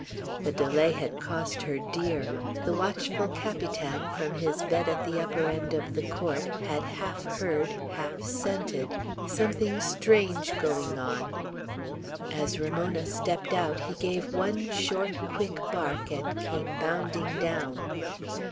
The delay had cost her dear. The watchful Capitan, from his bed at the upper end of the court, had half heard, half scented, something strange going on. As Ramona stepped out, he gave one short, quick bark, and came bounding down.